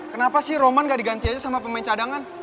kenapa sih roman gak diganti aja sama pemain cadangan